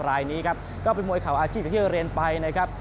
รายนี้ครับก็เป็นมวยเข่าอาชีพอย่างที่เรียนไปนะครับ